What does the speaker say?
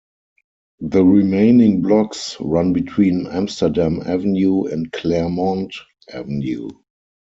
The remaining blocks run between Amsterdam Avenue and Claremont Avenue.